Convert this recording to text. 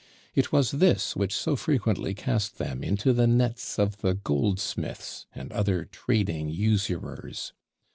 It was this which so frequently cast them into the nets of the "goldsmiths," and other trading usurers.